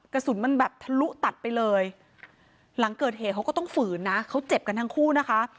กระสุนมันแบบทะลุตัดไปเลยหลังเกิดเหตุเขาก็ต้องฝืนนะเขาเจ็บกันทั้งคู่นะคะ